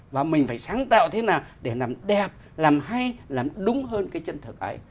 và mình phải sáng tạo thế nào để làm đẹp làm hay làm đúng hơn cái chân thực ấy